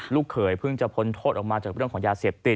เขยเพิ่งจะพ้นโทษออกมาจากเรื่องของยาเสพติด